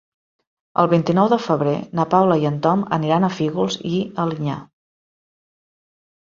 El vint-i-nou de febrer na Paula i en Tom aniran a Fígols i Alinyà.